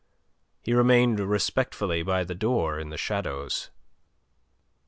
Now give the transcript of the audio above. He remained respectfully by the door in the shadows.